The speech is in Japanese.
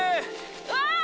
うわ！